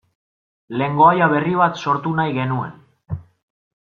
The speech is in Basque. Lengoaia berri bat sortu nahi genuen.